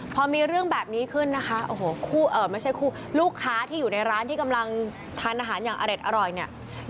พอมีเรื่องแบบนี้ขึ้นนะคะลูกค้าที่อยู่ในร้านที่กำลังทานอาหารอย่างอเล็ดอร่อยเนี่ย